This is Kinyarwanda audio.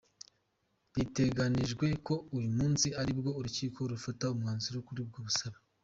Biteganijwe ko uyu munsi ari bwo urukiko rufata umwanzuro kuri ubwo busabe.